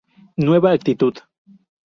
Nueva actitud"".